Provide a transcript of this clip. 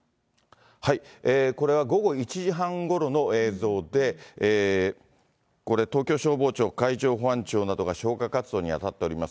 これは午後１時半ごろの映像で、これ、東京消防庁、海上保安庁などが消火活動に当たっております。